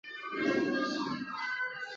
安寿林宅院的历史年代为清。